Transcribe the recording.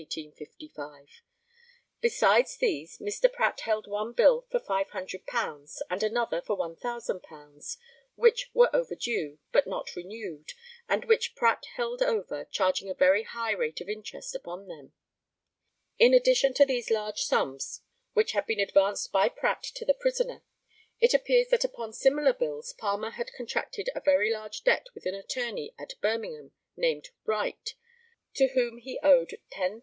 Besides these, Mr. Pratt held one bill for £500, and another for £1,000, which were overdue, but not renewed, and which Pratt held over, charging a very high rate of interest upon them. In addition to these large sums, which had been advanced by Pratt to the prisoner, it appears that upon similar bills Palmer had contracted a very large debt with an attorney at Birmingham, named Wright, to whom he owed £10,400.